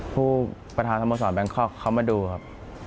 ผู้ประธานสมศาลแบงคกเข้ามาดูครับ